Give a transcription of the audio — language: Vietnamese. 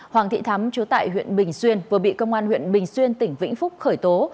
hoàng thị thắm chứa tại huyện bình xuyên vừa bị công an huyện bình xuyên tỉnh vĩnh phúc khởi tố